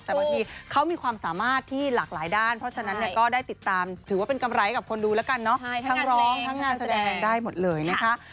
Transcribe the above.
แต่บางทีเขามีความสามารถที่หลากหลายด้านเพราะฉะนั้นเนี่ยก็ได้ติดตามถือว่าเป็นกำไรกับคนดูแล้วกันเนาะทั้งร้องทั้งงานแสดงได้หมดเลยนะคะ